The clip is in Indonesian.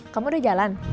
kamu udah jalan